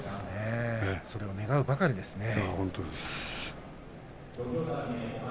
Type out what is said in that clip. それを願うばかりですね。